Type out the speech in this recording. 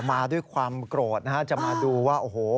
มาด้วยความโกรธนะฮะจะมาดูว่าโอ้โห